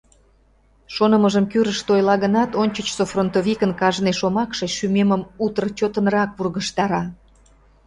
Шонымыжым кӱрышт ойла гынат, ончычсо фронтовикын кажне шомакше шӱмемым утыр чотынрак вургыжтара.